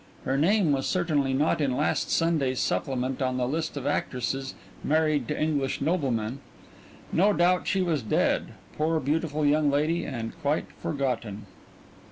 Her name was certainly not in last Sunday's supplement on the list of actresses married to English noblemen. No doubt she was dead poor beautiful young lady and quite forgotten.